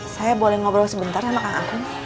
saya boleh ngobrol sebentar sama kang agung